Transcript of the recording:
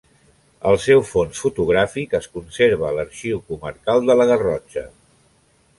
El seu fons fotogràfic es conserva a l'Arxiu Comarcal de la Garrotxa.